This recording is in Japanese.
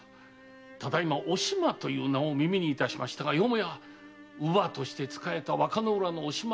ただいま「お島」という名を耳にいたしましたがよもや乳母として仕えた和歌浦のお島のことでは？